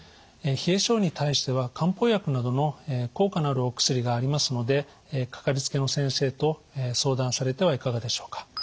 冷え性に対しては漢方薬などの効果のあるお薬がありますのでかかりつけの先生と相談されてはいかがでしょうか。